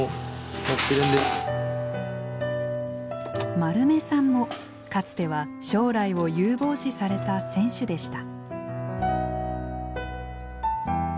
丸目さんもかつては将来を有望視された選手でした。